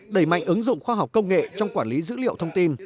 đẩy mạnh ứng dụng khoa học công nghệ trong quản lý dữ liệu thông tin